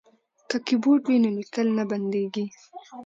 که کیبورډ وي نو لیکل نه بندیږي.